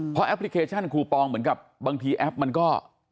เพราะแอปพลิเคชันคูปองเหมือนกับบางทีแอปมันก็